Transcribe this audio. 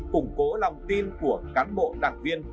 củng cố lòng tin của cán bộ đảng viên